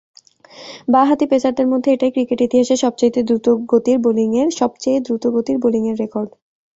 বাঁ হাতি পেসারদের মধ্যে এটাই ক্রিকেট ইতিহাসের সবচেয়ে দ্রুতগতির বোলিংয়ের রেকর্ড।